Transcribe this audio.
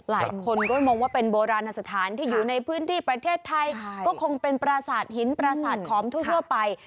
หลายคนก็มองว่าเป็นโบราณสถานที่อยู่ในพื้นที่ประเทศไทยก็คงเป็นปราสาทหินปราสาทขอมทั่วไป